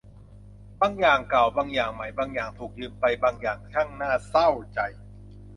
บางอย่างเก่า บางอย่างใหม่ บางอย่างถูกยืมไป บางอย่างช่างน่าเศร้าใจ